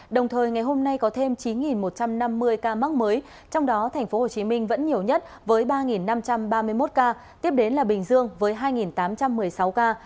đồng thời ngày hôm nay có thêm chín một trăm năm mươi ca mắc mới trong đó tp hcm vẫn nhiều nhất với ba năm trăm ba mươi một ca tiếp đến là bình dương với hai tám trăm một mươi sáu ca